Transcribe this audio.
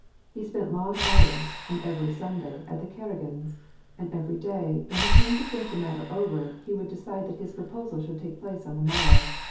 He spent long ITours, and every Sunday, at the Karagins' ; and every day, when he came to think the matter over, he would decide that his proposal should take place on the morrow.